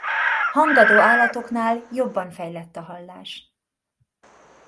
Hangadó állatoknál jobban fejlett a hallás.